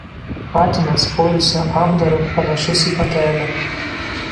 Patinas poilsio apdaru panašus į patelę.